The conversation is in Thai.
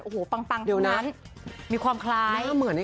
โอ้โหปังตรงนั้นมีความคลายใช่